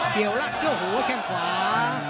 เกี่ยวรัดเกี่ยวหัวแข้งขวา